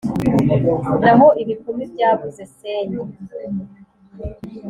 Naho ibikumi byabuze senge,